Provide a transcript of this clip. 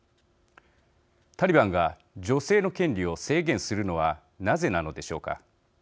タリバンが女性の権利を制限するのはなぜなのでしょうか。